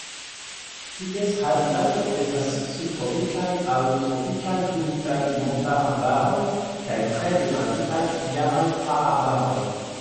Ties habitato estas subtropikaj aŭ tropikaj humidaj montararbaroj kaj tre degraditaj iamaj praarbaroj.